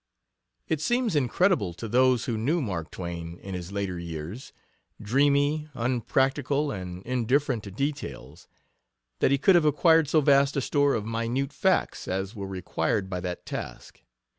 It seems incredible to those who knew Mark Twain in his later years dreamy, unpractical, and indifferent to details that he could have acquired so vast a store of minute facts as were required by that task.